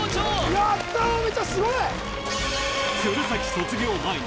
やった大道ちゃんすごい！